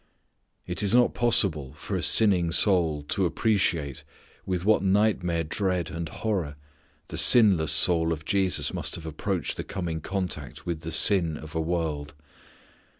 It is not possible for a sinning soul to appreciate with what nightmare dread and horror the sinless soul of Jesus must have approached the coming contact with the sin of a world.